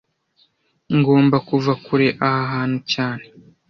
Ngomba kuva kure aha hantu cyane